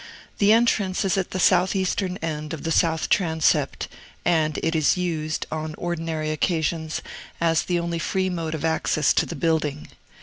The entrance is at the southeastern end of the south transept, and it is used, on ordinary occasions, as the only free mode of access to the building.